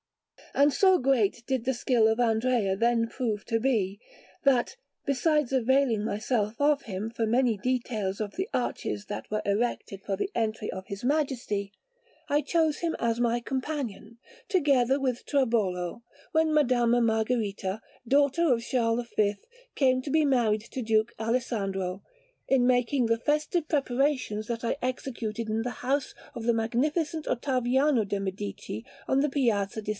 And so great did the skill of Andrea then prove to be, that, besides availing myself of him for many details of the arches that were erected for the entry of his Majesty, I chose him as my companion, together with Tribolo, when Madama Margherita, daughter of Charles V, came to be married to Duke Alessandro, in making the festive preparations that I executed in the house of the Magnificent Ottaviano de' Medici on the Piazza di S.